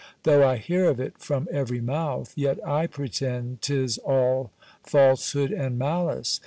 Though I hear of it from every mouth, yet I pretend 'tis all falsehood and malice.